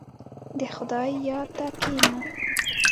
• د خدای یاد ته کښېنه.